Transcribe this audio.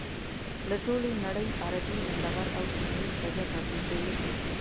له ټولې نړۍ عربي لنډه غر او سيمه یيز غجر راټول شول.